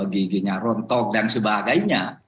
giginya rontok dan sebagainya